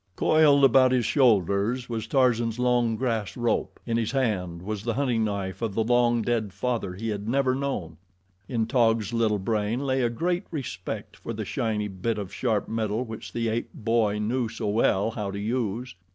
Coiled about his shoulders was Tarzan's long grass rope, in his hand was the hunting knife of the long dead father he had never known. In Taug's little brain lay a great respect for the shiny bit of sharp metal which the ape boy knew so well how to use.